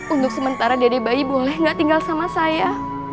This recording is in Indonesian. untuk sementara dede bayi boleh gak tinggal sama saya